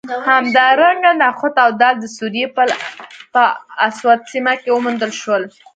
همدارنګه نخود او دال د سوریې په الاسود سیمه کې وموندل شول